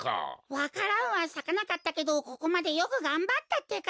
わか蘭はさかなかったけどここまでよくがんばったってか。